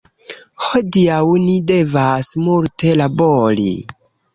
Hodiaŭ ni devas multe labori